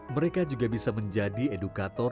mereka juga bisa menjadi edukator